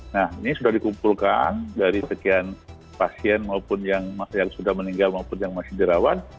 nah ini sudah dikumpulkan dari sekian pasien maupun yang sudah meninggal maupun yang masih dirawat